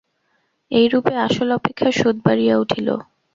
এইরূপে আসল অপেক্ষা সুদ বাড়িয়া উঠিল।